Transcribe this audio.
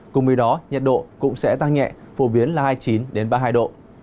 cùng với đó nhiệt độ cũng sẽ tăng nhẹ phổ biến là hai mươi chín ba mươi hai độ